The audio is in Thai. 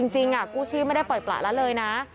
จริงกู้ชีพไม่ได้ปล่อยประแล้วเลยนะ